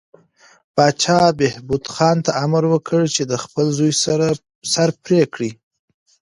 پاچا بهبود خان ته امر وکړ چې د خپل زوی سر پرې کړي.